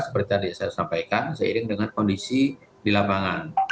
dan kami akan memperbaiki dengan kondisi di lapangan